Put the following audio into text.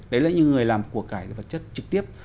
đấy là những người làm cuộc cải vật chất trực tiếp